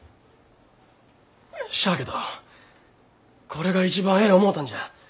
しゃあけどこれが一番ええ思うたんじゃ。